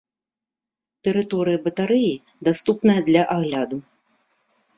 Тэрыторыя батарэі даступная для агляду.